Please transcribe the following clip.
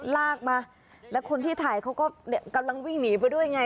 ลากมาแล้วคนที่ถ่ายเขาก็กำลังวิ่งหนีไปด้วยไง